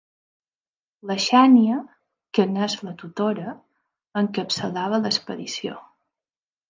La Xènia, que n'és la tutora, encapçalava l'expedició.